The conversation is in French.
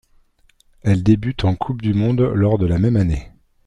Elle débute en coupe du monde lors de la même année.